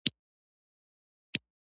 وګټه، پیل وخوره.